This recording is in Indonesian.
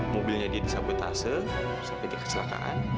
mobilnya dia disabotase sampai dia kecelakaan